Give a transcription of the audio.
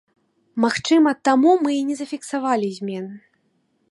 Магчыма, таму мы і не зафіксавалі змен.